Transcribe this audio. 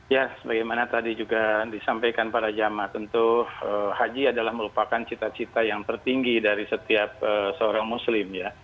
ya sebagaimana tadi juga disampaikan para jamaah tentu haji adalah merupakan cita cita yang tertinggi dari setiap seorang muslim ya